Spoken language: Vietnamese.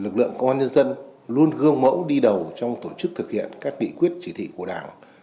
công an nhân dân luôn gương mẫu đi đầu trong tổ chức thực hiện các kỷ quyết chỉ thị của đảng